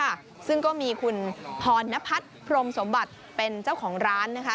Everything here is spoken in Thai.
ค่ะซึ่งก็มีคุณพรณพัฒน์พรมสมบัติเป็นเจ้าของร้านนะคะ